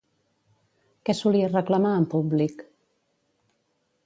Què solia reclamar en públic?